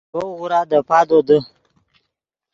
ڤؤ غورا دے پادو دے